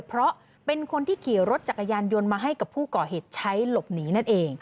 เพราะเป็นคนที่ขี่รถจักรยานยนต์มาให้กับผู้ก่อเหตุใช้หลบหนีนั่นเอง